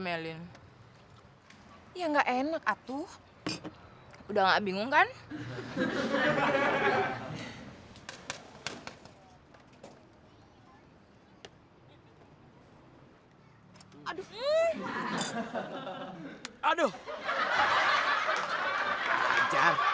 mojoster udah udah polio ngoblok kasih